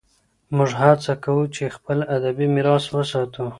موږ هڅه کوو چې خپل ادبي میراث وساتو.